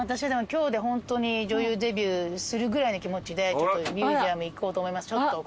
今日でホントに女優デビューするぐらいの気持ちでミュージアム行こうと思います。